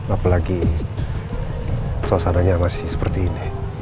apalagi sosok anaknya masih seperti ini